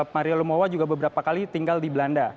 maria lumowa juga beberapa kali tinggal di belanda